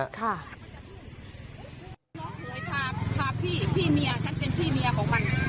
น้องหน่วยพาพี่พี่เมีย